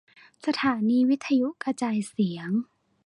สถานีวิทยุกระจายเสียง